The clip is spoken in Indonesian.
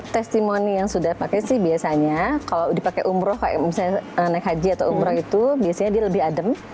testimoni yang sudah pakai sih biasanya kalau dipakai umroh kayak misalnya naik haji atau umroh itu biasanya dia lebih adem